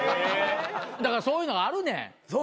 だからそういうのがあるねん。